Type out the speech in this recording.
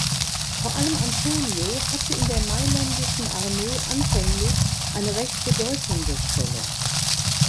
Vor allem Antonio hatte in der mailändischen Armee anfänglich eine recht bedeutende Stellung.